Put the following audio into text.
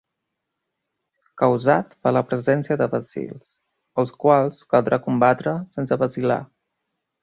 Causat per la presència de bacils, els quals caldrà combatre sense vacil·lar.